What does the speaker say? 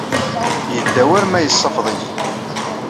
Yedda war ma yessafeḍ-iyi.